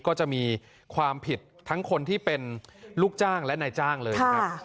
ก็จะมีความผิดทั้งคนที่เป็นลูกจ้างและนายจ้างเลยนะครับ